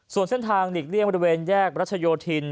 ส่วนเส้นทางหลีกเลี่ยงบริเวณแยกรัชโยธิน